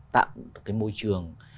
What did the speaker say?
tạo một cái môi trường